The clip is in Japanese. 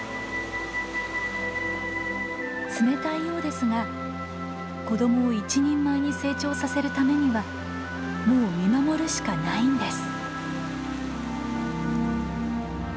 冷たいようですが子どもを一人前に成長させるためにはもう見守るしかないんです。